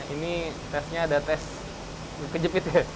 ini tesnya ada tes kejepit ya